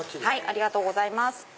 ありがとうございます。